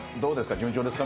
順調ですか？